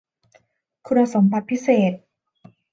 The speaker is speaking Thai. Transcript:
คุณสมบัติพิเศษ